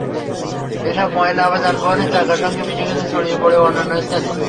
এসব ময়লা আবার যানবাহনের চাকার সঙ্গে মিশে গিয়ে ছড়িয়ে পড়ে অন্যান্য স্থানে।